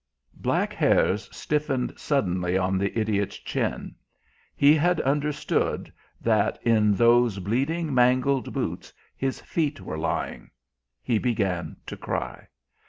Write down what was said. Black hairs stiffened suddenly on the idiot's chin; he had understood that in those bleeding, mangled boots his feet were lying; he began to cry.